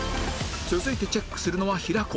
続いてチェックするのは平子